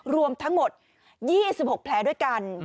รวมทั้งหมด๒๖แผลด้วยกัน